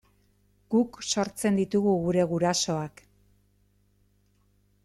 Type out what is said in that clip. Guk sortzen ditugu gure gurasoak.